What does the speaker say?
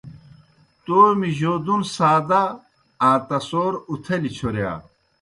تومیْ جودُن سادہ آں تصور اُتھلیْ چھورِیا